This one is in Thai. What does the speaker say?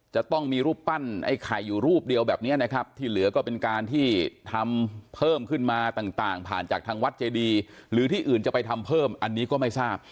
จะต้องมีรูปปั้นไอ้ไข่อยู่รูปเดียวแบบนี้นะครับที่เหลือก็เป็นการที่ทำเพิ่มขึ้นมาต่างผ่านจากทางวัดเจดีหรือที่อื่นจะไปทำเพิ่มอันนี้ก็ไม่ทราบ